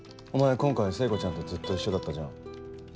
今回聖子ちゃんとずっと一緒だったじゃん。